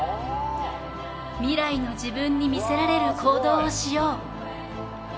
未来の自分に見せられる行動をしよう。